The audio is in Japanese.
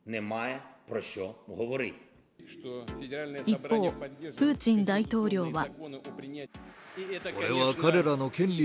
一方、プーチン大統領は。